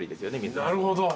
なるほど。